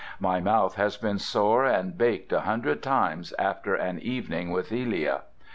My mouth has been sore and baked a hundred times after an evening with Elia.